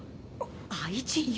愛人よ。